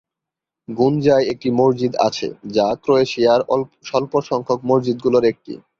গুনজায় একটি মসজিদ আছে, যা ক্রোয়েশিয়ার স্বল্পসংখ্যক মসজিদগুলোর একটি।